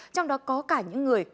trong đó có cả những người bị bẫy